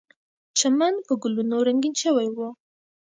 چمن په ګلونو رنګین شوی و.